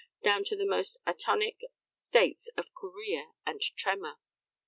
down to the most atonic states of chorea and tremor."